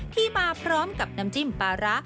ที่มาพร้อมกับน้ำจิ้มปลาร้า